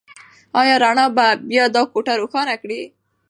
ایا رڼا به بيا دا کوټه روښانه کړي؟